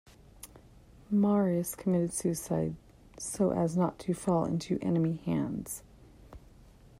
Marius committed suicide so as not to fall into enemy hands.